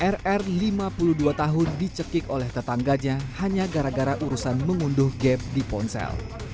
rr lima puluh dua tahun dicekik oleh tetangganya hanya gara gara urusan mengunduh gap di ponsel